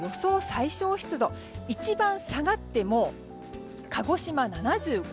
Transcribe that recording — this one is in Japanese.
最小湿度一番下がっても鹿児島７５％。